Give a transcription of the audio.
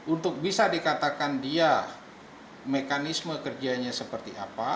untuk bisa dikatakan dia mekanisme kerjanya seperti apa